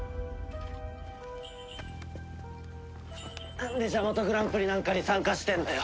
なんでジャマトグランプリなんかに参加してるんだよ！